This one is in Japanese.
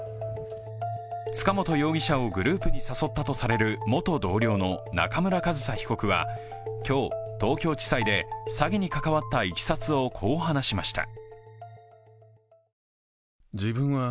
塚本容疑者をグループに誘ったとされる元同僚の中村上総被告は今日、東京地裁で詐欺に関わったいきさつをこう話しました。